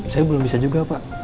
saya belum bisa juga pak